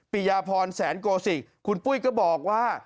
ปียาพรแสนโกศิกคุณปุ้ยก็บอกว่า